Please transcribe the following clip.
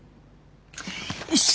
よし！